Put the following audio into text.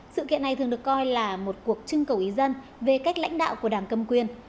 sự kiện này thường được coi là một cuộc trưng cầu ý dân về cách lãnh đạo của đảng cầm quyền